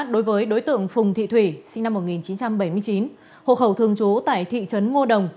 đối với đối tượng phùng thị thủy sinh năm một nghìn chín trăm bảy mươi chín hộ khẩu thường trú tại thị trấn ngô đồng